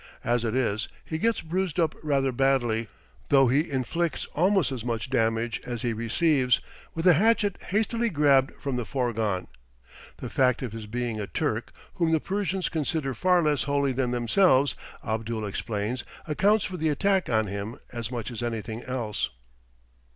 As it is, he gets bruised up rather badly; though he inflicts almost as much damage as he receives, with a hatchet hastily grabbed from the fourgon. The fact of his being a Turk, whom the Persians consider far less holy than themselves, Abdul explains, accounts for the attack on him as much as anything else.